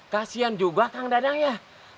kasian juga kang dadang ya